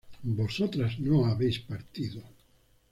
vosotras no habéis partido